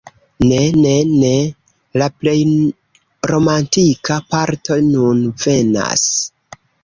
Ne, ne, ne! La plej romantika parto nun venas!